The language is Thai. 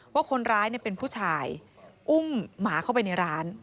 ว่าคนร้ายเป็นผู้ชายอุ้มหมาเข้าไปในร้าน